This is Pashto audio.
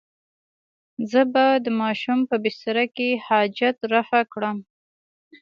زه به د ماشوم په بستره کې حاجت رفع کړم.